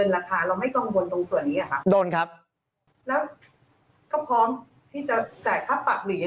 แล้วก็พร้อมที่จะจ่ายค่าปรับหรือยังไงครับ